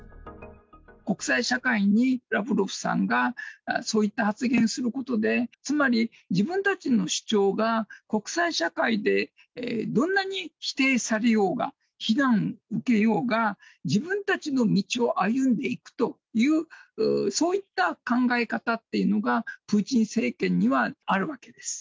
国際社会にラブロフさんが、そういった発言することで、つまり、自分たちの主張が、国際社会でどんなに否定されようが、非難を受けようが、自分たちの道を歩んでいくという、そういった考え方っていうのが、プーチン政権にはあるわけです。